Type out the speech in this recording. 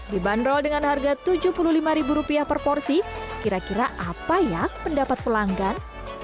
dibanderol dengan harga rp tujuh puluh lima per porsi kira kira apa ya pendapat pelanggan